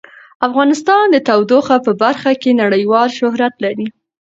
افغانستان د تودوخه په برخه کې نړیوال شهرت لري.